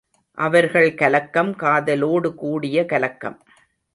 அவர்கள் கலக்கம், காதலோடு கூடிய கலக்கம்!